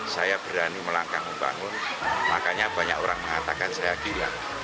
saya berani melangkah membangun makanya banyak orang mengatakan saya gila